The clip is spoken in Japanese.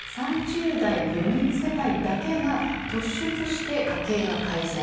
３０代４人世帯だけが突出して家計が改善。